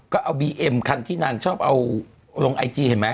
ก็เอาบีเอ็มคันที่นางชอบเอาลงไอจีเห็นไหม